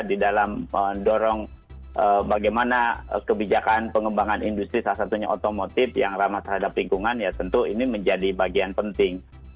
di dalam mendorong bagaimana kebijakan pengembangan industri salah satunya otomotif yang ramah terhadap lingkungan ya tentu ini menjadi bagian penting